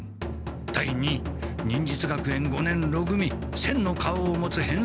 第二位忍術学園五年ろ組千の顔を持つへん